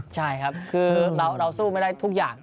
ใช่ครับคือเราสู้ไม่ได้ทุกอย่าง